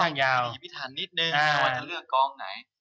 หาคำว่าจะเลือกละกองไหน